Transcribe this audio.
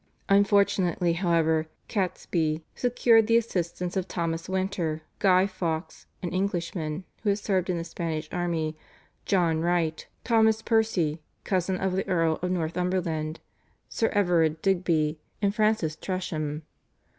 Unfortunately, however, Catesby secured the assistance of Thomas Winter, Guy Fawkes, an Englishman who had served in the Spanish army, John Wright, Thomas Percy, cousin of the Earl of Northumberland, Sir Everard Digby, and Francis Tresham.